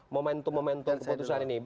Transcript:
momentum momentum keputusan ini